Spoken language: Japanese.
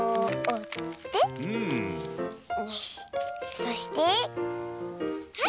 そしてはい。